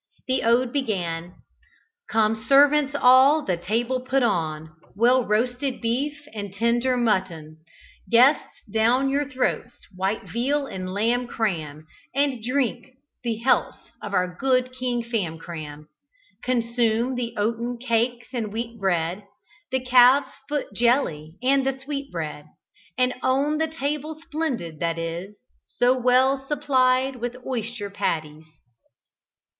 The ode began, "Come servants all, the table put on Well roasted beef and tender mutton. Guests, down your throats white veal and lamb cram, And drink the health of good King Famcram! Consume the oaten cakes and wheat bread, The calves foot jelly and the sweet bread, And own the table splendid, that is So well supplied with oyster patties."